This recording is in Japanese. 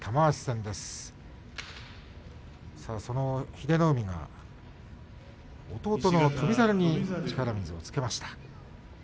英乃海が弟の翔猿に力水をつけました。